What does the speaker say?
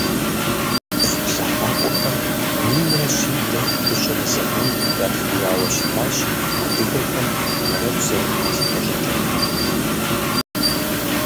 Зыплъыхьакӏуэхэм минрэ щиблэ тхущӏрэ зы гъэм ятхыжауэ щытащ адыгэхэм фэрэкӏ зэрыхалъхьэ щӏыкӏэр.